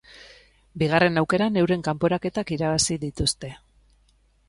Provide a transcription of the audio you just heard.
Bigarren aukeran euren kanporaketak irabazi dituzte.